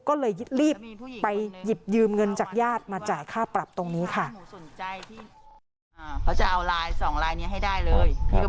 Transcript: ก็เลยรีบไปหยิบยืมเงินจากญาติมาจ่ายค่าปรับตรงนี้ค่ะ